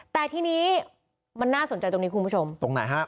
แต่ทีนี้มันน่าสนใจตรงนี้คุณผู้ชมตรงไหนฮะ